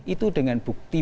itu dengan bukti